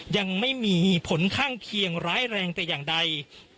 ยังไม่มีผลข้างเคียงร้ายแรงแต่อย่างใด